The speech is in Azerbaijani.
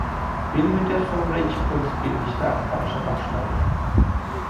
Bir müddət sonra iki polis birlikdə axtarışa başlayır.